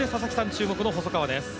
注目の細川です。